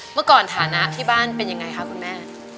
เมื่อก่อนฐานะที่บ้านเป็นยังไงคะคุณแม่